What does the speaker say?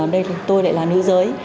đây tôi lại là nữ giới